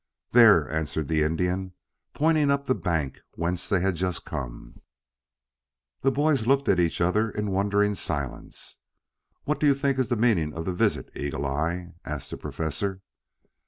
"There," answered the Indian, pointing up the bank whence they had just come. The boys looked at each other in wondering silence. "What do you think is the meaning of the visit, Eagle eye?" asked the Professor.